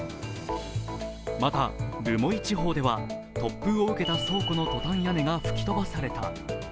また、留萌地方では、突風を受けた倉庫のトタン屋根が吹き飛ばされた。